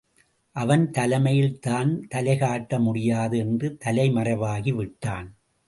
அவன் தலைமையில் தான் தலை காட்ட முடியாது என்று தலை மறைவாகி விட்டான்.